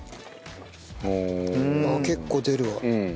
あっ結構出るわ。